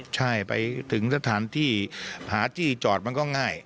ใช่ไปถึงสถานที่หาที่จอดมันก็ง่าย